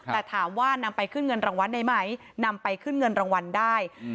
แต่ถามว่านำไปขึ้นเงินรางวัลได้ไหมนำไปขึ้นเงินรางวัลได้